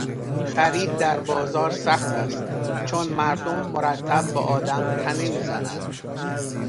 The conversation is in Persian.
خرید در بازار سخت است چون مردم مرتب به آدم تنه میزنند.